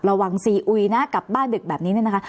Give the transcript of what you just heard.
ระวังซีอุยนะกลับบ้านดึกแบบนี้เนี่ยนะคะ